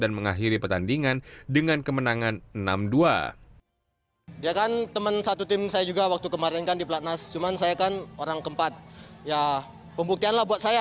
dan mengakhiri pertandingan dengan kemenangan enam dua